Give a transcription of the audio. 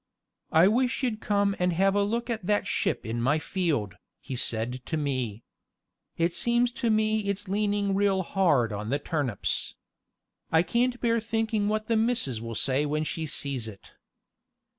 "I wish you'd come and have a look at that ship in my field," he said to me. "It seems to me it's leaning real hard on the turnips. I can't bear thinking what the missus will say when she sees it."